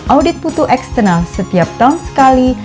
audit putu eksternal setiap tahun sekali